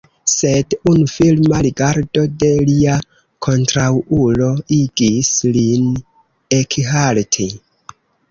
Sed unu firma rigardo de lia kontraŭulo igis lin ekhalti.